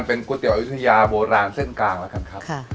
เป็นก๋วยเตี๋ยอายุทยาโบราณเส้นกลางแล้วกันครับ